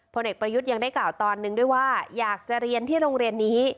เด็กประยุทธ์ยังได้กล่าวตอนนึงด้วยว่าอยากจะเรียนที่โรงเรียนนี้